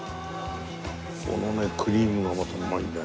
このねクリームがまたうまいんだよ。